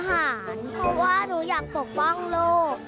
เพราะว่าหนูอยากปกป้องลูก